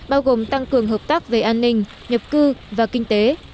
bao gồm tăng cường hợp tác về an ninh nhập cư và kinh tế